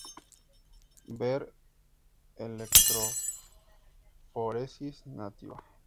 Ver electroforesis nativa.